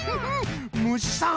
むしさん。